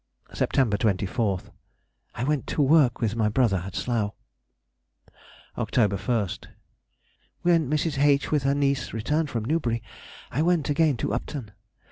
September 24th.—I went to work with my brother at Slough. October 1st.—When Mrs. H., with her niece, returned from Newbury, I went again to Upton.